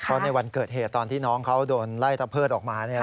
เพราะในวันเกิดเหตุตอนที่น้องเขาโดนไล่ตะเพิดออกมา